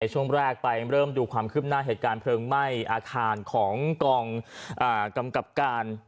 ช่วงแรกไปเริ่มดูความคืบหน้าเหตุการณ์เพลิงไหม้อาคารของกองกำกับการ